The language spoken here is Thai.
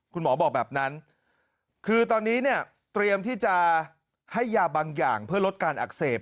คุณหมอบอกแบบนั้นคือตอนนี้เนี่ยเตรียมที่จะให้ยาบางอย่างเพื่อลดการอักเสบ